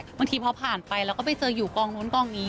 บางทีพอผ่านไปเราก็ไปเจออยู่กองนู้นกองนี้